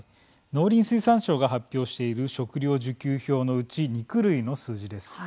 農林水産省が発表している食料需給表のうち肉類の数字です。